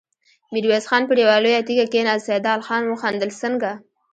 ميرويس خان پر يوه لويه تيږه کېناست، سيدال خان وخندل: څنګه!